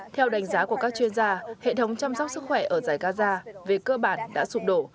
theo đánh giá của các chuyên gia hệ thống chăm sóc sức khỏe ở giải gaza về cơ bản đã sụp đổ